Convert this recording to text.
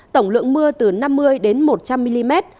tổng lượng mưa từ năm mươi đến một trăm linh mm